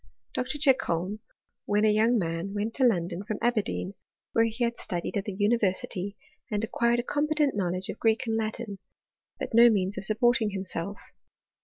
Mr. Chicholm, when a young man, went to London from Aberdeen, where he had studied at the univer sity, and acquired a competent knowledge of Greek and Latin, but no means of supporting himself.